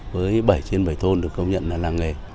với bảy trên bảy thôn được công nhận là làng nghề